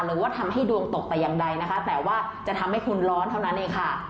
หรือว่าทำให้ดวงตกแต่อย่างใดนะคะแต่ว่าจะทำให้คุณร้อนเท่านั้นเองค่ะ